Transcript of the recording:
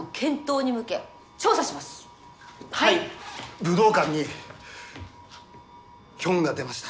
武道館にキョンが出ました。